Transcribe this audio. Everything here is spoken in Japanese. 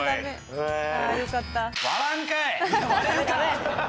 割らんかい！